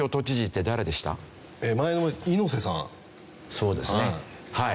そうですねはい。